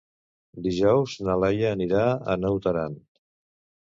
Dijous na Laia anirà a Naut Aran.